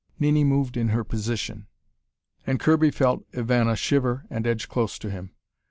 Nini moved in her position, and Kirby felt Ivana shiver and edge close to him.